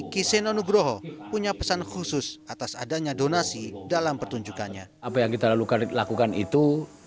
dan menugroho punya pesan khusus atas adanya donasi dalam pertunjukannya apa yang kita lakukan itu